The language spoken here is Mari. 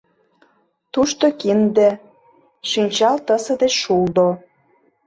Тушто кинде, шинчал тысе деч шулдо.